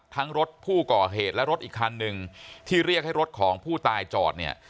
รถผู้ก่อเหตุและรถอีกคันหนึ่งที่เรียกให้รถของผู้ตายจอดเนี่ย